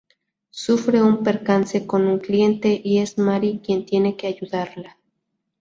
Sufre un percance con un cliente y es Mari quien tiene que ayudarla.